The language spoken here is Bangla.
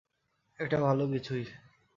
এটা ভালো কিছুই।